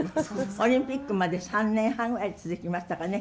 オリンピックまで３年半ぐらい続きましたかね。